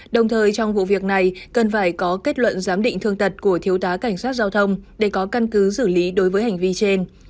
đồng thời trong vụ việc này cần phải có kết luận giám định thương tật của thiếu tá cảnh sát giao thông để có căn cứ xử lý đối với hành vi trên